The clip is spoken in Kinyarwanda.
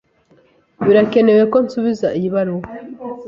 Birakenewe ko nsubiza iyi baruwa?